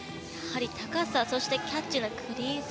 高さ、キャッチのクリーンさ。